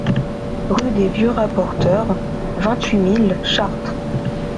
Rue des Vieux Rapporteurs, vingt-huit mille Chartres